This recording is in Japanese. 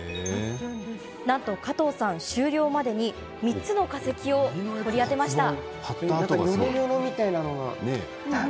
なんと、加藤さん終了までに３つの化石を掘り当てました。